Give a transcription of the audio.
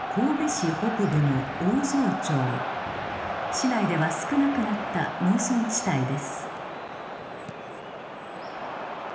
市内では少なくなった農村地帯です。